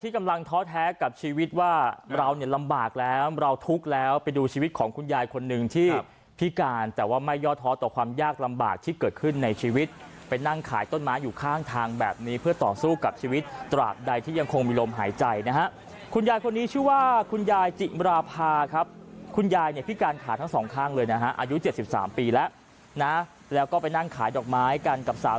ที่กำลังท้อแท้กับชีวิตว่าเราเนี่ยลำบากแล้วเราทุกข์แล้วไปดูชีวิตของคุณยายคนนึงที่พิการแต่ว่าไม่ยอดท้อต่อความยากลำบากที่เกิดขึ้นในชีวิตไปนั่งขายต้นไม้อยู่ข้างทางแบบนี้เพื่อต่อสู้กับชีวิตตรากใดที่ยังคงมีลมหายใจนะฮะคุณยายคนนี้ชื่อว่าคุณยายจิมราภาครับคุณยายเนี่ยพิการขาดทั้